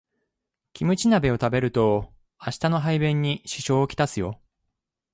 キムチ鍋食べると明日の排便に支障をきたすよ